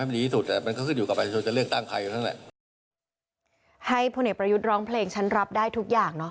ให้พลเอกประยุทธ์ร้องเพลงฉันรับได้ทุกอย่างเนาะ